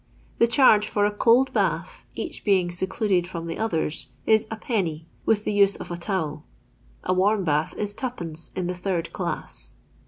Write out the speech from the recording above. The charge for a cold bath, each being secluded from the others, is 1<^., with the use of a towel ; a warm bath is 2(2. in the third class.